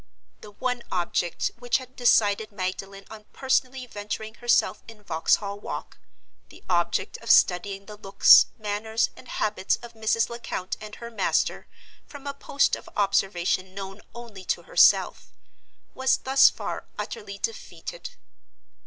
The one object which had decided Magdalen on personally venturing herself in Vauxhall Walk—the object of studying the looks, manners and habits of Mrs. Lecount and her master from a post of observation known only to herself—was thus far utterly defeated.